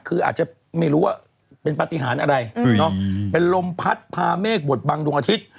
คืออาจจะไม่รู้ว่าเป็นปฏิหารอะไรเป็นลมพัดพาเมฆบทบังดวงอาทิตย์